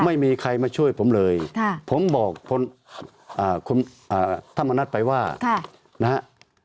ไม่มีใครมาช่วยผมเลยค่ะผมบอกอ่าคุณอ่าท่านมานัดไปว่าค่ะนะฮะ